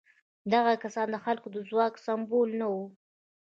دغه کسان د خلکو د ځواک سمبولونه وو.